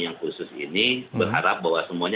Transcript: yang khusus ini berharap bahwa semuanya